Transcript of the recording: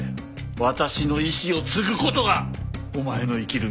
私の意志を継ぐ事がお前の生きる道だ。